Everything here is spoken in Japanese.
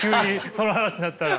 その話になったら。